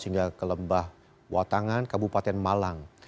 hingga kelembah watangan kabupaten malang